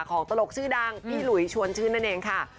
ตลกชื่อดังพี่หลุยชวนชื่นนั่นเองค่ะ